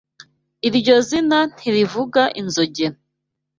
Iryo zina ntirivuga inzogera.